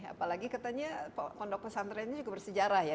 apalagi katanya kondok pesantren ini juga bersejarah ya